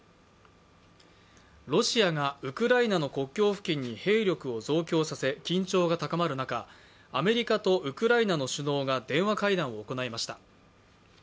ロシアがウクライナの国境付近に兵力を増強させ、緊張が高まる中アメリカとウクライナの首脳が電話会談を行いました。